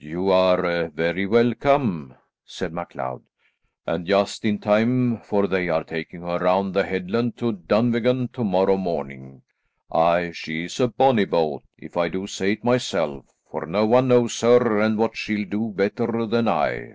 "You are very welcome," said MacLeod, "and just in time, for they are taking her round the headland to Dunvegan to morrow morning. Aye, she's a bonnie boat, if I do say it myself, for no one knows her and what she'll do better than I."